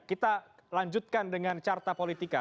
kita lanjutkan dengan carta politika